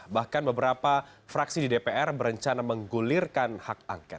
bahkan beberapa fraksi di dpr berencana menggulirkan hak angket